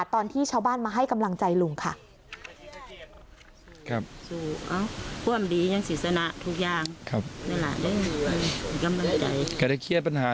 ตอนที่ชาวบ้านมาให้กำลังใจลุงค่ะ